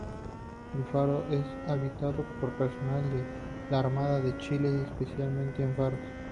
El faro es habitado por personal de la Armada de Chile especialista en faros.